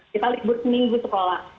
kita libur seminggu sekolah